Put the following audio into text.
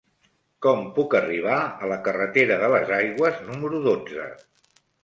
Com puc arribar a la carretera de les Aigües número dotze?